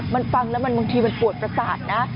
มันฟังแล้วมันบางทีมันปวดประสาทนะ